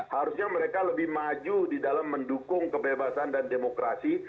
harusnya mereka lebih maju di dalam mendukung kebebasan dan demokrasi